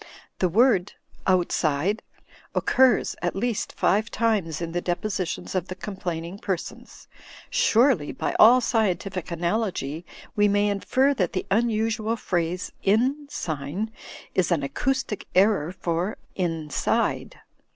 The word "outside" occurs at least five times in the depositions of the complaining persons. Surely by all scientific analogy we may infer that the imusual phrase "inn sign" is an acoustic error for "inside."